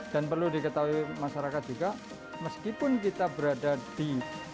dan perlu diketahui masyarakat juga meskipun kita berada di